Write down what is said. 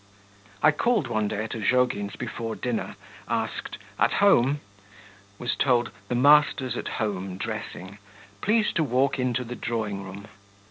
I called one day at Ozhogin's before dinner, asked, 'At home?' was told, 'The master's at home, dressing; please to walk into the drawing room.'